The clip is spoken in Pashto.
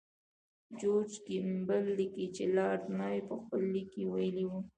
جورج کیمبل لیکي چې لارډ مایو په خپل لیک کې ویلي وو.